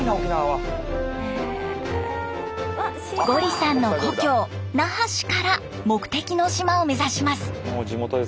ゴリさんの故郷那覇市から目的の島を目指します。